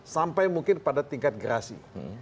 sampai mungkin pada tingkat gerasi